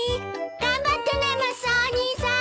頑張ってねマスオお兄さん。